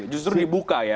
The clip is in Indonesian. justru dibuka ya